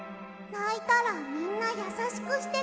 ないたらみんなやさしくしてくれるんだ！